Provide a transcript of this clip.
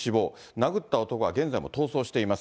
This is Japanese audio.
殴った男は現在も逃走しています。